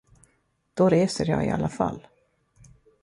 Då reser jag i alla fall.